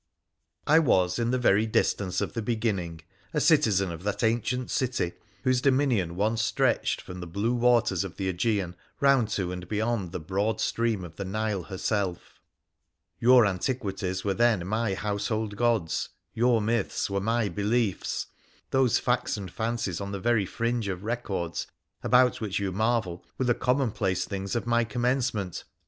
1 was, in the very distance of the beginning, a citizen of that ancient city whose dominion once stretched from the blue waters of the Mge&n round to and beyond the broad stream of the Nile herself. Your antiquities were then my household gods, your myths were my beliefs ; those facts and fancies on the very fringe of records about which you marvel were the commonplace things of my commencement.